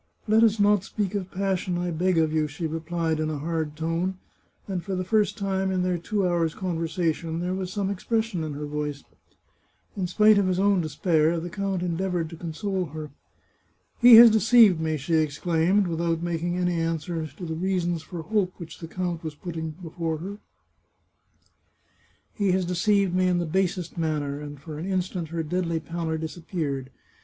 " Let us not speak of passion, I beg of you," she re plied in a hard tone, and for the first time in their two hours' conversation there was some expression in her voice. In spite of his own despair, the count endeavoured to con sole her. " He has deceived me," she exclaimed, without making any answer to the reasons for hope which the count was putting before her ;" he has deceived me in the basest manner," and for an instant her deadly pallor disappeared.